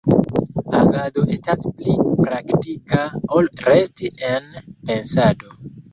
Agado estas pli praktika ol resti en pensado.